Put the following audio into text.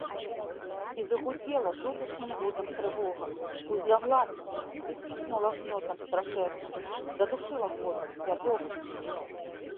І загудзела жудасным гудам трывога, узляглася, прыціснула гнётам страшэнным, задушыла волю, свядомасць.